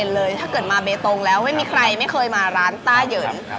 เลยถ้าเกิดมาเบตงแล้วไม่มีใครไม่เคยมาร้านต้าเหยิน